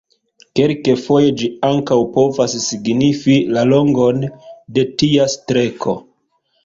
Kelkfoje ĝi ankaŭ povas signifi la longon de tia streko.